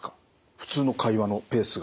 普通の会話のペースが。